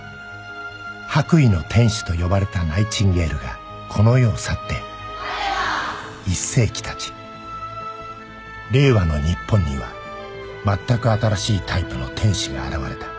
「白衣の天使」と呼ばれたナイチンゲールがこの世を去って１世紀経ち令和の日本にはまったく新しいタイプの天使が現れた